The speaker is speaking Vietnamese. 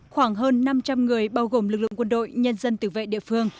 khoảng hơn năm trăm linh người bao gồm lực lượng quân đội nhân dân tử vệ địa phương